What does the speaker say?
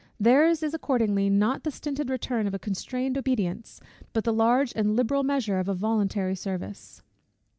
Their's is accordingly not the stinted return of a constrained obedience, but the large and liberal measure of a voluntary service.